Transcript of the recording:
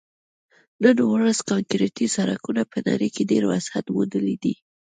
نن ورځ کانکریټي سړکونو په نړۍ کې ډېر وسعت موندلی دی